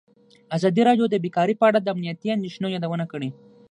ازادي راډیو د بیکاري په اړه د امنیتي اندېښنو یادونه کړې.